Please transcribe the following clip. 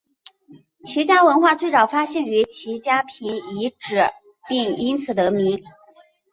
齐家文化最早发现于齐家坪遗址并因此得名。